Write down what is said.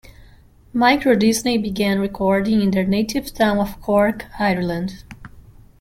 Microdisney began recording in their native town of Cork, Ireland.